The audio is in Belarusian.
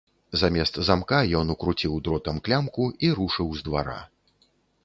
Замест замка ён укруціў дротам клямку і рушыў з двара.